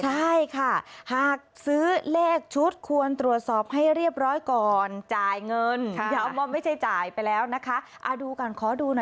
ใช่ค่ะหากซื้อเลขชุดควรตรวจสอบให้เรียบร้อยก่อน